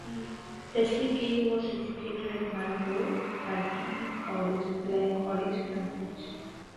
Leslie Gay was educated at Marlborough, Brighton College and Clare College, Cambridge.